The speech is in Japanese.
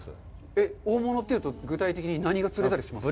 えっ、大物というと、具体的に何が釣れたりします？